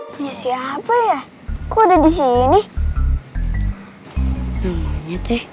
punya siapa ya kok ada di sini